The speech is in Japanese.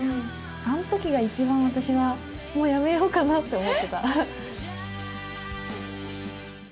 あの時が一番私はもうやめようかなって思ってた。